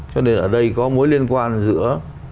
cho nên ở đây có mối liên quan giữa